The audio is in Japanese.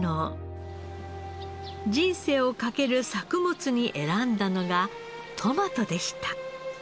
人生をかける作物に選んだのがトマトでした。